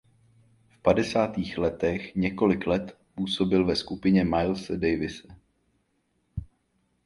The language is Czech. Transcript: V padesátých letech několik let působil ve skupině Milese Davise.